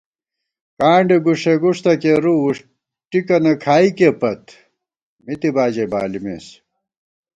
کانڈے گُݭېگُݭ تہ کېرُو ، وُݭٹِکَنہ کھائیکےپت مِتِبا ژَئی بالِمېس